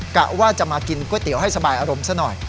กะว่าจะมากินก๋วยเตี๋ยวให้สบายอารมณ์ซะหน่อย